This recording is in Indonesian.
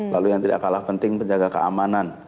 lalu yang tidak kalah penting penjaga keamanan